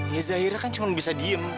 ya zahira kan cuma bisa diem